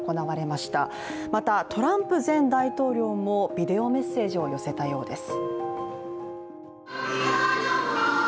また、トランプ前大統領もビデオメッセージを寄せたようです。